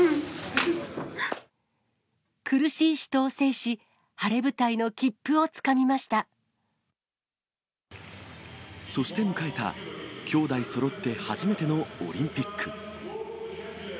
苦しい死闘を制し、晴れ舞台そして迎えた、兄妹そろって初めてのオリンピック。